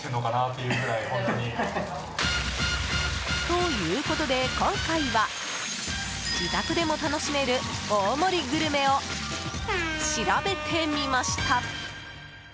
ということで、今回は自宅でも楽しめる大盛りグルメを調べてみました。